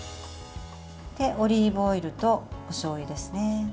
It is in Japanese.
オリーブオイルとおしょうゆです。